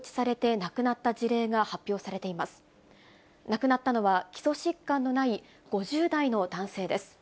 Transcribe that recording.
亡くなったのは基礎疾患のない５０代の男性です。